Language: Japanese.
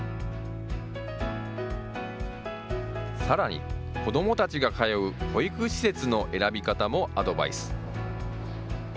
さらに、子どもたちが通う保育施設の選び方もアドバイス。